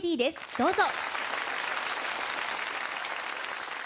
どうぞ。